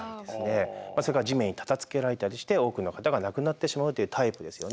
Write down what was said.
それから地面にたたきつけられたりして多くの方が亡くなってしまうというタイプですよね。